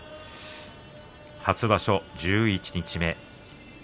初場所十一日目。